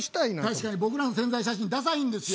確かに僕らの宣材写真ダサいんですよ。